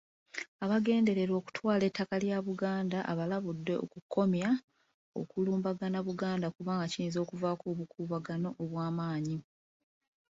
Abagendererwa okutwala ettaka lya Buganda abalabudde okukomya okulumbagana Buganda kuba kiyinza okuvaako obuukubagano obw'amanyi.